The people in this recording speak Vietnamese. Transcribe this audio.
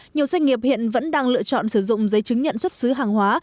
nhiều doanh nghiệp hiện vẫn đang lựa chọn sử dụng giấy chứng nhận xuất xứ hàng hóa